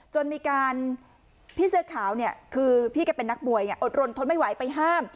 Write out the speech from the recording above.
มีการพี่เสื้อขาวเนี่ยคือพี่ก็เป็นนักมวยอดรนทนไม่ไหวไปห้าม